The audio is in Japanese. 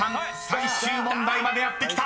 最終問題までやって来た］